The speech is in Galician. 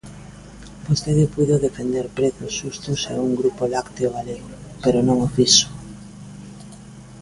Vostede puido defender prezos xustos e un grupo lácteo galego, pero non o fixo.